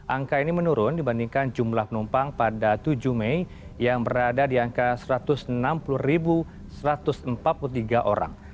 angka ini menurun dibandingkan jumlah penumpang pada tujuh mei yang berada di angka satu ratus enam puluh satu ratus empat puluh tiga orang